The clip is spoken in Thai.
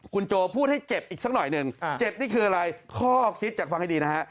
คุณโจพูดให้เจ็บอีกสักหน่อยหนึ่งเจ็บนี่คืออะไรข้อคิดจากฟังให้ดีนะฮะ